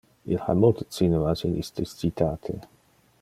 Il ha multe cinemas in iste citate.